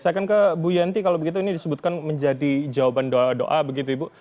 apakah bu yanti kalau begitu ini disebutkan menjadi jawaban doa doa begitu ibu